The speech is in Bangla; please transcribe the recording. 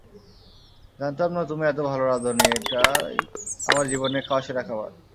জানতাম না তুমি এত ভালো রাঁধুনি -এটাই আমার জীবনে খাওয়া সেরা খাবার!